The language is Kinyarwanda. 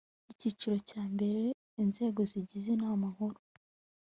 icyiciro cya mbere inzego zigize inama nkuru